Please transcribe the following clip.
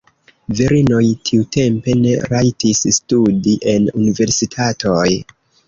Virinoj tiutempe ne rajtis studi en universitatoj.